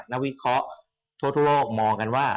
วิเคราะห์ทั่วโลกมองกันว่า